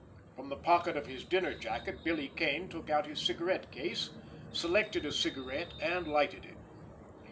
From the pocket of his dinner jacket Billy Kane took out his cigarette case, selected a cigarette, and lighted it.